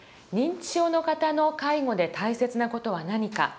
認知症の方の介護で大切な事は何か。